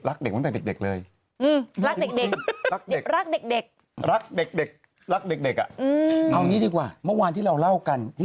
รักเด็กนี่ดีกว่าเมื่อวานที่เราเล่ากัน